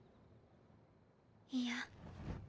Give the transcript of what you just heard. いや。